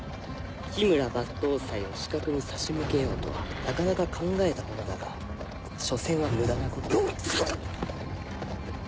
「緋村抜刀斎を刺客に差し向けようとはなかなか考えたものだがしょせんは無駄なこと」。